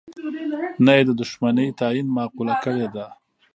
نه یې د دوښمنی تعین معقوله کړې ده.